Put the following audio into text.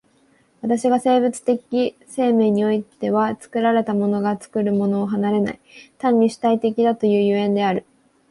私が生物的生命においては作られたものが作るものを離れない、単に主体的だという所以である。